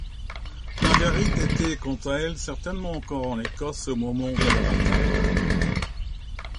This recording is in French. Marguerite était quant à elle certainement encore en Écosse au moment de la bataille.